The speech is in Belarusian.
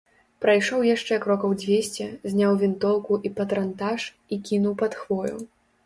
Прайшоў яшчэ крокаў дзвесце, зняў вінтоўку і патранташ і кінуў пад хвою.